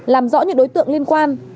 làm rõ những đối tượng liên quan